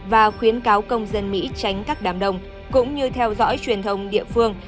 và khuyến cáo công dân mỹ tránh các đám đông cũng như theo dõi truyền thông địa phương